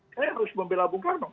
saya harus membela soekarno